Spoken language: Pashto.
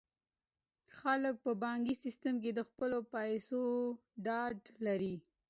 خلک په بانکي سیستم کې د خپلو پیسو ډاډ لري.